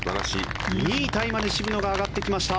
２位タイまで渋野が上がってきました。